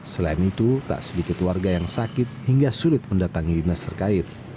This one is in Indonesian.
selain itu tak sedikit warga yang sakit hingga sulit mendatangi dinas terkait